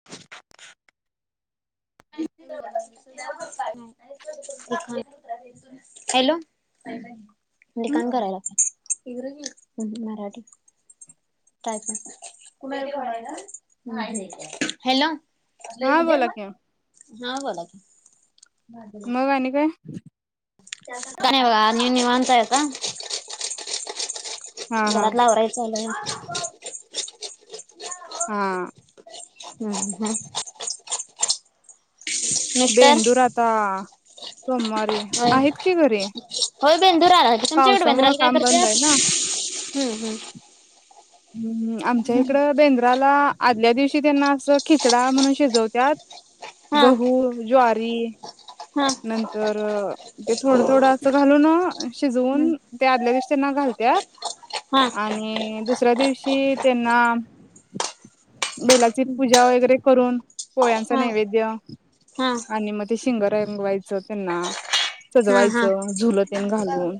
[inaudible] [unintelligible] [inaudible] [unintelligible] Hello! हम्म ठिकाणं करायला मराठी. [unintelligible] हॅलो हा बोला की हा बोला की मग आणि काय? काय नाही बघा निवांत आहे आता हा हा. घरातलं आवायचं चाल [unintelligible] हा हम्म हम्म मिस्टर बेंदूर आता सोमवारी हो आहेत की घरी. होय बेंदूरा आला कि तुमच्या इकडे पावसामुळे बेंदुराला काय काम बंद करतात? आहे ना हम्म हम्म हम्म आमच्या इकडं बेंद्राला आदल्या दिवशी त्यांना असं खिचडा म्हणून शिजवत्यात. हा गहू ज्वारी हा नंतर ते थोडं थोडं असं घालून शिजवून हम्म ते आदल्या दिवशी त्यांना घालत्यात. हा आणि दुसऱ्या दिवशी त्यांना बैलाची पूजा वगैरे करून पोळ्यांचा हा हा नैवेद्य हा आणि मग ते शिंग रंगवायचं त्यांना हा सजवायचं झुल तेन घालून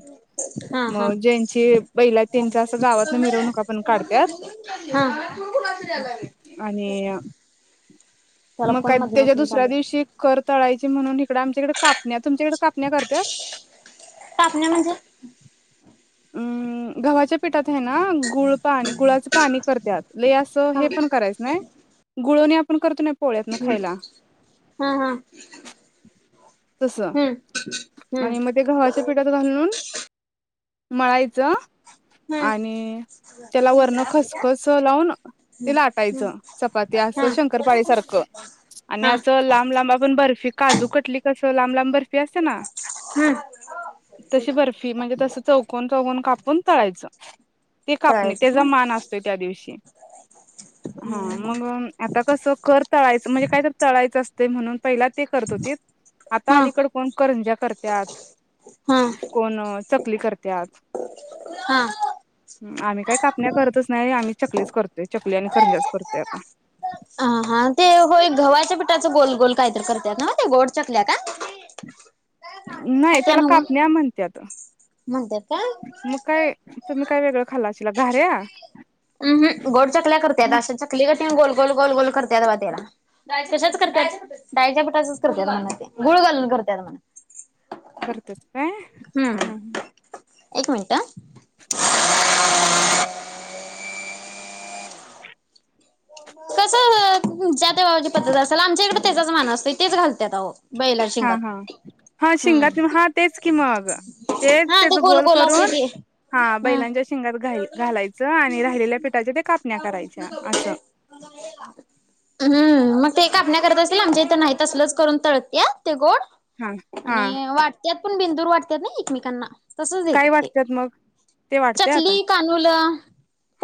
हा हा हा मग ज्यांची बैला त्यांच्या असं गावातन मिरवणूका पण काढत्यात हा आणि त्याला मग फोन का मधन त्याच्या उचलून दुसऱ्या चालत दिवशी कर तळायची म्हणून इकडं आमच्याकडे कापण्या तुमच्याकडे कापण्या करत्या? कापण्या म्हणजे? अम्मा गव्हाच्या पिठात आहे ना गुळ पाणी गुळाच पाणी करत्यात लय असं हा हे पण करायचं नाही गुळवणी आपण करतो नाही पोळ्यातन हम्म खायला हा हा तसं हम्म हम्म आणि मग ते गव्हाच्या पिठात घालून मळायचं हम्म आणि त्याला वरण खसखस लावून ते हम्म लाटायचं चपाती हा असं शंकरपाळी सारखं आणि हा असं लांब लांब आपण बर्फी काजू कटली कसं लांब लांब बर्फी असते ना हम्म तशी बर्फी म्हणजे तसं चौकन चौकन कापून तळायचं ते कापणी तेज तळायचं मान असतोय त्या दिवशी हा हम्म मग आता कसं कर तळायचं म्हणजे काय तर तळायचं असते म्हणून पहिला ते करत होतीत आता हा अलीकड कोण करंज्या करत्यात हा कोण चकली करत्यात हा आम्ही काही कापण्या करतच नाही आम्ही चकलीच करतोय चकली आणि करंज्याच करतोय आता हा हां ते हो गव्हाच्या पिठाच गोल गोल काहीतर करतात ना म ते गोड चकल्या का? नाही त्याला कापण्या म्हणतात म्हणत्यात काय मग काय तुम्ही काय वेगळं खाल्लाशिला घाऱ्या हम्म गोड चकल्या करतात हा अशा चकली घठी गोल गोल गोल गोल करत बा त्याला कशाच करत्यात डाळीच्या पिठाचच करत्यात म्हणा ते गुळ घालून करतात म्हणा. करतेस काय. हम्म एक मिनट. तुमच्या देवाची पद्त असला आमच्याकडे त्याचाच मान असतेय तेच घालत्यात अहो. बैला हा शिंगात हा हा, हम्म शिंगात हा तेच की मग. तेच हा ते त्याचा गोल असते करून. ते हा बैलांच्या शिंगात घा घालायचं आणि राहिलेल्या पिठाच्या ते कापण्या करायच्या असं. [inaudible] हम्म मग ते कापण्या करत असेल आमच्या इथं नाहीत असलच करून तळत्यात ते गोड. हा हा आणि वाटतात पण बिंदूर वाटतात ना एकमेकांना. तसच देतात काय ते वाटतात मग ते वाटत्यात. चकली कानूलं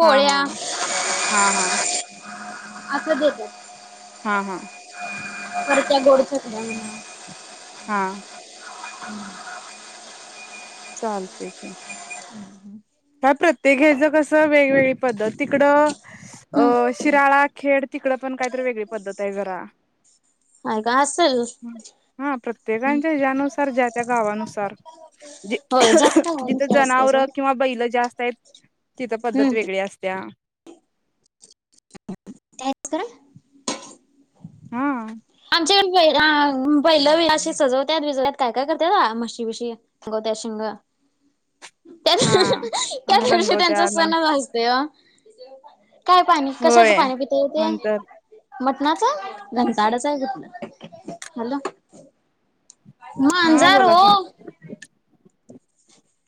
हा हा हा हा, असं देतात. हा हा, पर त्या गोड चटण्या [inaudible] हा, ह [inaudible] चालते की. हम्- [inaudible] काय प्रत्येक घ्याच कसं वेगवेगळी पद्धत तिकडं''--'' अ म्हणा शिराळा खेड तिकडं पण काहीतरी वेगळी पद्धत आहे जरा. आणि काय असेल. हा प्रत्येकच्या ह्यानुसार ज्या त्या गावानुसार. होय जाते का जिथे नुसार असते जनावर सोड किंवा''--'' बैलं जास्त आहेत तिथं हम्म पद्धत वेगळ्या असत्या. द्यायचं गरम [inaudible] हा आ, आमच्याकडे पहिलं बैल असशी सजवतात विजवतत काय काय करतात मशी विशी. गत्याशिंग. [inaudible] त्या हा. हा त्यादिवशी रंगवत्या न सणच असते वो. काय पाणी कशाचं होय पाणी पित ते नंतर मटणाचं घनताडच. हॅलो, हा मांजर बोला हो. की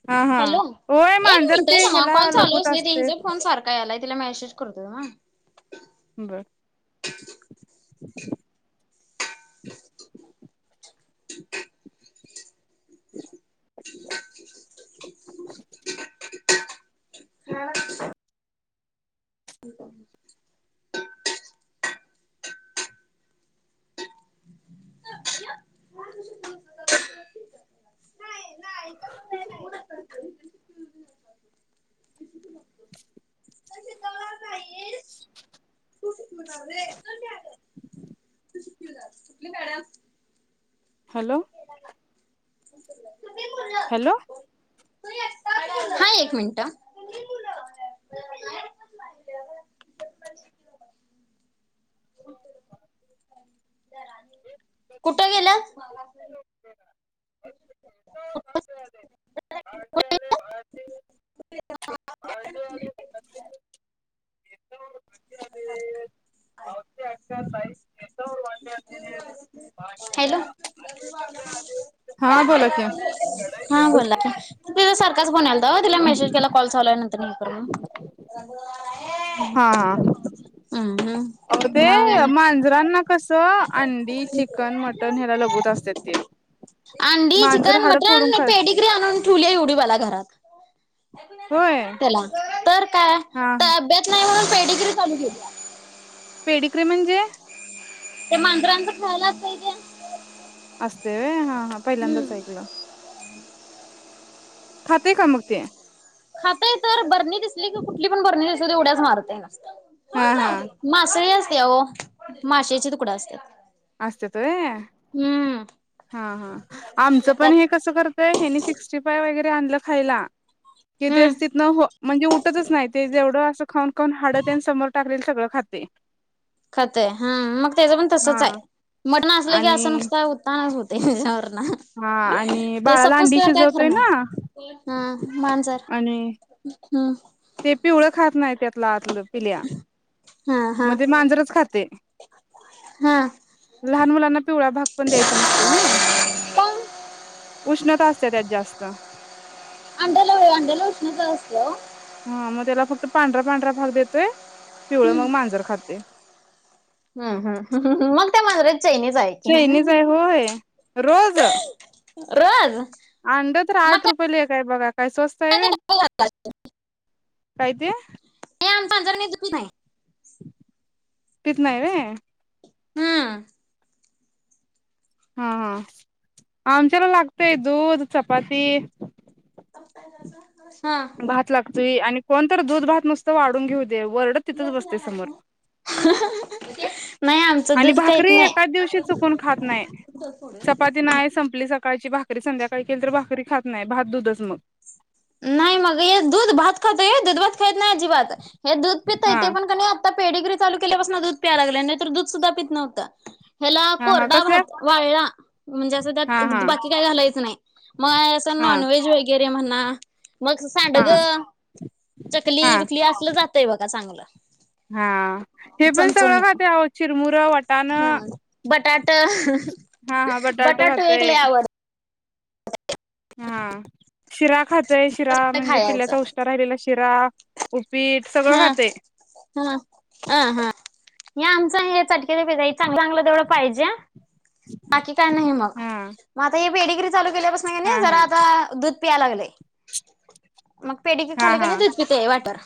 हा हा हॅलो होय एक मांजर मिनट ते शमा ह्याला कॉल चालू लगूत असते तचा फोन सारखा याला तिला मेसेज करतो दम. बरं. [inaudible] [inaudible] हा [inaudible] हो [inaudible] [inaudible] हॅलो, हॅलो, हा एक मिनिटं. कुठं गेल्यात. हा [unintelligible] हॅलो! [unintelligible] हा, बोला कि, हा बोलला, तिझ सारखच फोन यालता ओ, तिला मेसेज केला कॉल चालू आहे नंतर करते. [inaudible] हा, हम्म आ -म हम्म मग -ते आणि मांजर ना कसं अंडी चिकन मटन ह्याला लघवत असते, आंडी, चिकन, फोडून मटण, खा पेडिग्री आणून ठेवली एवढी बाला घरात. होय त्याला, तर काय अ हा तब्बेत नाही, म्हणून पेडिग्री चालू केली. पेडिकडे म्हणजे? ते, मांडराच खायला असत्य ते. असते व्हय, हा, हां, हम्म. पहिल्यांदाच ऐकलं. खात का मगते? खातय तर, बरणी दिसली कि कुठली पण, बरणी दिसूदे उड्या च मारतय नसत. हा, हा, मासळी असते ओ, माशचे तुकडा असत्यात. असत्यात व्हय, हा, हा आमचं पण त्यात हे कसं करतय, हेनी सिक्सटीफाय वगैरे आणलं खायला [unintelligible] कि, ते हम्म तिथं म्हणजे उठतच नाही, ते जेवढं असं खाऊन, खाऊन, हाडतेन समोर टाकलेल सगळं खातय. खतय हा, मग त्याच पण तसच आहे, मटण असलं की असं आणि नुसत. तणा होतेय तेच्यावरण. हा आणि ते, बाळाला अंडी संपूसतवर शिजवतोय कायखरं, ना नाही हा मांजर आणि हम, ते, पिवळं खात नाही त्यात, लातलं पिल्या, हा हा म ते मांजरच खातेय. हा. लहान मुलांना, पिवळा भाग पण द्यायचा नसत नी, पण उष्णता अस त्या, जास्त. अंड्याला, अंड्याला उष्णता असत्या ओ, हा, मग त्याला फक्त पांढरा, पांढरा, भाग देतोय पिवळ मग मांजर खातेय. हम, हम मग त्या, मांजरा ची चायनीच आहे. की. चायनी च आहे होय, रोज रोज अंड तर मग आठ काय रुपये रुपये, एक हाय बघा, काय स्वस्त आहेव्हय, काय ते? नाही आमच मांजर [unintelligible] बी नाही पीत नाही, होय. हा, हा, हा, आमच्याला लागतय दूध, चपाती, हा, भात लागतोय, आणि कोणतर दूध भात नुसतं वाढून घेऊ दे, वरडत तिथंच बसते समोर. नाही आमचं आणि, दूध काहीत भाकरी नाही. एकाच दिवशी चुकून खात नाही. [unintelligible] आपली सकाळची भाकरी, संध्याकाळी केली तर, भाकरी खात नाही. भात दूधच मग. नाही मग, हे दूध भात खातय व्हय, हे दूधभात खात नाही अजिबात, हे दूध पितय हा ते पण कणी आता, पीडिग्री चालूकेल्यापासन, दूध प्याय लागले. नाही तर दूध सुद्धा पित नव्हंत. ह्याला हा हा कसल्या कोरडाभात, वाळला म्हणजे असं हा त्यात, हा बाकी काय घालायच, नाही मग हा नॉनव्हेज वगैरे म्हणा मग सांडग हा हा चकली विकली असलं जातय बघ चांगलं हा ते पण सगळं चमचमीत खात्या ओ आहोत चिरमुरं वटाण हा बटाट हा हा बटाटो एक लई खातोय आवडतय हा शिरा खातय शिरा म्हणजे खायच पिल्ल्याचा उष्ठ राहिलेला शिरा उपीट सगळं हा खातय हा हा हा या आमच हे चटकेरीज चांगलं जवढं पाहिजे बाकी काय नाही मग हा मग आता हे पेडी ग्री चालू केल्यापासून हा ज हा आता दूध पि लागलंय मग पेढ हा खाली क हा नाही द वाटर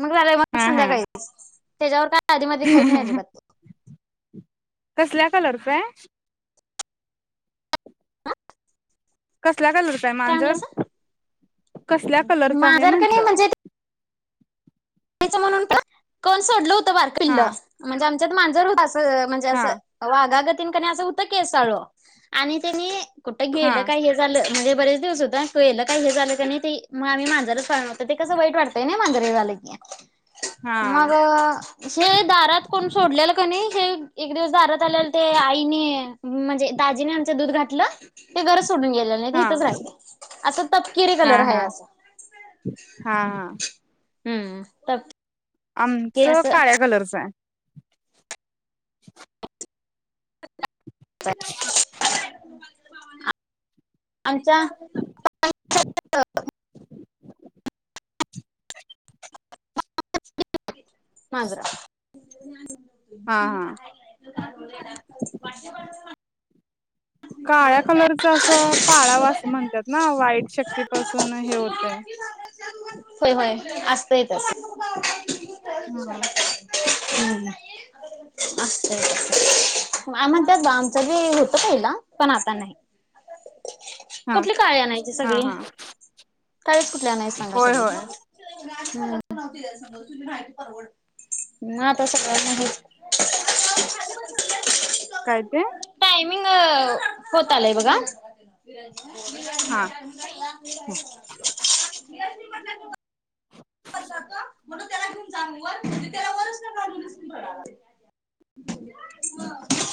मग झालंय मग हा हा संध्याकाळी त्याच्यावर काय आधी मधी खाईत नाही अजिबात कसल्या कलरचा आहे ह कसल्या कलरच आहे मांजर कसल्या कलरच आहे माझ्यावर का म्हंटलं च म्हणून पण कोण सोडलं होतं हा वारकलं म्हणजे आमच्यात मांजर होत अस म्हणजे हा असं वाघागतीन क असं होतं केस चाळ आणि त्यांनी कुठं हा गेलं काय हे झालं म्हणे बरेच दिस होता केलं काही हे झालं का नाही ते मगम्ही माांजाला त ते कस वाईट वाटतय ना माग झालं की हा मग शे दारात कोण सोडलेलं का नाही हे एक दिवस दारात आलेल ते आईने म्हणजे दाजीने आमचं दूध घातलं ते घरच सोडून गेले नाही हा इथच राहते असं तपकिरे हा कलर हा आहे असं हा हा हम्म आमचं असं काळ्या कलरच आहे आमच्या मांजरा हा हा [inaudible] काळ्या कलरच असं पाळा म्हणतात ना वाईट शक्तीपासून हे होतें होय होय असत येतच हम अस आम्हाला त्या बामचा बी होत ला पण आता नाही हा कुठली काळे आणायची हा सगळी हा काळीच कुठली आणयच सांगा होय सगळी होय सगा तुम्ही माहिती परवड ना तस का नाही कायते होत आलंय बघा हा म्हण त्याला घेऊन जा व त्याला वरच [inaudible]